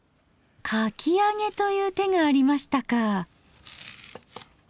「かき揚げ」という手がありましたか。